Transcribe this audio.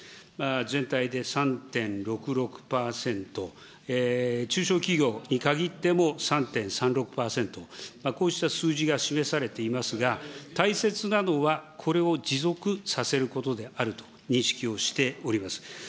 全体で３．６６％、中小企業に限っても３．３６％、こうした数字が示されていますが、大切なのは、これを持続させることであると認識をしております。